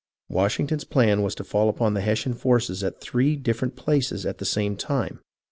Washington's plan was to fall upon the Hessian forces at three different places at the same time.